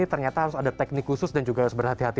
ternyata harus ada teknik khusus dan juga harus berhati hati